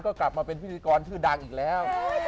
ก็กลับมาเป็นพิธีกรชื่อดังอีกแล้ว